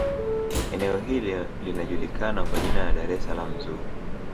eneo hilo linajukikana kwa jina la dar es salaam zoo